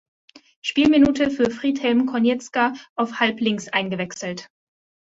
Spielminute für Friedhelm Konietzka auf Halblinks eingewechselt.